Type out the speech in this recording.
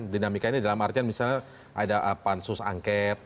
dinamika ini dalam artian misalnya ada apa susangket